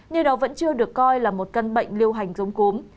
nhưng đó vẫn chưa được coi là một căn bệnh liêu hành giống cúm